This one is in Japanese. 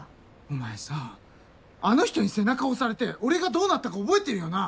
お前さあの人に背中押されて俺がどうなったか覚えてるよな。